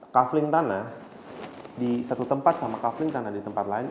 kaveling tanah di satu tempat sama kaveling tanah di tempat lain